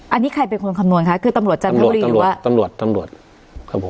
อันนี้ใครเป็นคนคำนวณคะคือตำรวจจันทบุรีหรือว่าตำรวจตำรวจครับผม